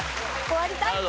終わりたい！